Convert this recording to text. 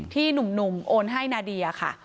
หนุ่มโอนให้นาเดียค่ะ